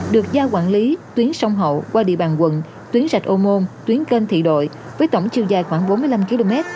được giao quản lý tuyến sông hậu qua địa bàn quận tuyến rạch ô môn tuyến kênh thị đội với tổng chiều dài khoảng bốn mươi năm km